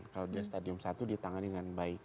kalau dia stadium satu ditangani dengan baik